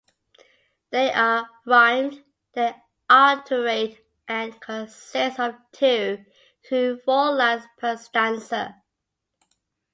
They are rhymed, they alliterate and consist of two to four lines per stanza.